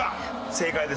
正解です。